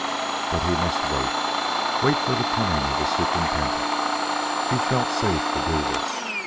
But he must wait wait for the coming of the superintendent. He felt safe to do this.